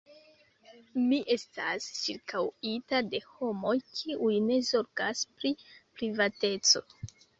Mi estas ĉirkaŭita de homoj, kiuj ne zorgas pri privateco.